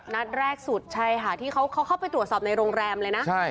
นัดแรกสุดใช่ค่ะที่เขาเข้าไปตรวจสอบในโรงแรมเลยนะ